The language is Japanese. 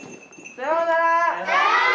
さようなら！